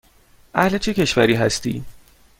اهل چه کشوری هستی؟